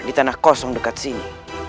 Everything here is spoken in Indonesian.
di tanah kosong dekat sini